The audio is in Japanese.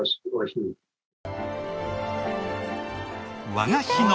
和菓子の。